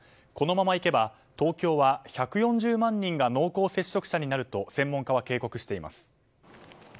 このままいけば東京は１４０万人が濃厚接触者になると専門家は警告しています。